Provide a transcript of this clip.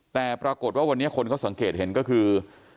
แต่ปรากฏว่าวันนี้คนเขาสังเกตเห็นก็คือ